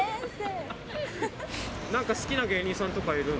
なんか好きな芸人さんとかいるの？